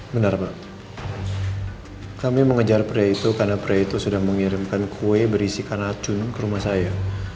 benar pak kami mengejar pria itu karena pria itu sudah mengirimkan kue berisikan racun ke rumah saya